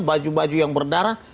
baju baju yang berdarah